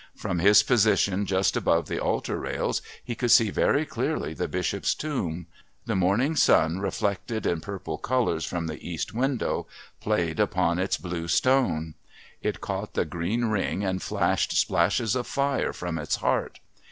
From his position just above the altar rails he could see very clearly the Bishop's Tomb; the morning sun reflected in purple colours from the East window played upon its blue stone. It caught the green ring and flashed splashes of fire from its heart.